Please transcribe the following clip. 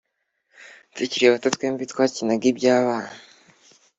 Tukiri bato twembi twakinaga ibyabana